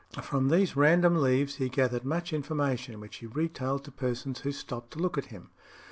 From these random leaves he gathered much information, which he retailed to persons who stopped to look at him.